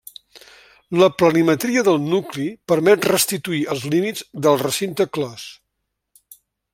La planimetria del nucli permet restituir els límits del recinte clos.